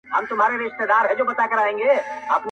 • چي فرعون غوندي په خپل قدرت نازیږي -